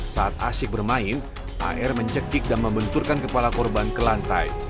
saat asyik bermain ar mencekik dan membenturkan kepala korban ke lantai